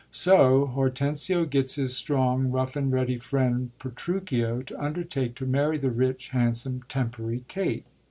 So Hortensio gets his strong, rough and ready friend Petruchio to undertake to marry the rich, handsome, tempery Kate.